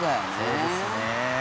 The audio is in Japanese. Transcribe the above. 「そうですね」